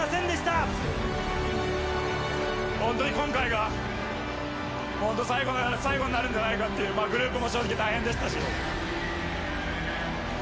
本当に今回が、本当最後になるんじゃないかという、グループも正直、大変でしたし。